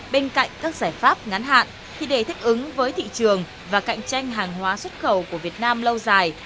bên cạnh các giải pháp ngắn hạn thì để thích ứng với thị trường và cạnh tranh hàng hóa xuất khẩu của việt nam lâu dài